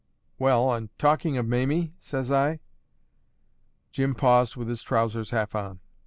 "Well, and talking of Mamie?" says I. Jim paused with his trousers half on.